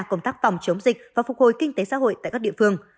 công tác phòng chống dịch và phục hồi kinh tế xã hội tại các địa phương